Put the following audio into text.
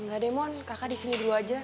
gak demon kakak di sini dulu aja